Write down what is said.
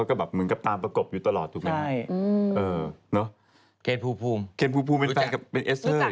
อันนั้นรุ่นพี่ต้องรู้จัง